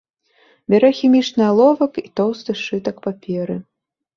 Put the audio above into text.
Бярэ хімічны аловак і тоўсты сшытак паперы.